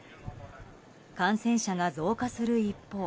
感染者が増加する一方